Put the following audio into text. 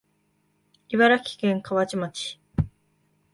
茨城県河内町